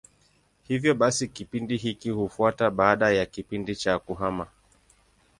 Hivyo basi kipindi hiki hufuata baada ya kipindi cha kuhama.